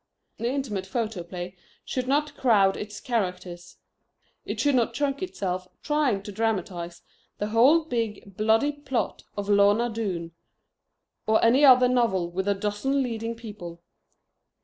The Intimate Photoplay should not crowd its characters. It should not choke itself trying to dramatize the whole big bloody plot of Lorna Doone, or any other novel with a dozen leading people.